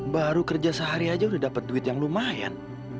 baru kerja sehari aja udah dapet duit yang lumayan